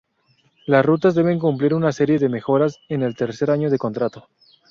Las rutas deben cumplir una serie de mejoras en el tercer año de contrato.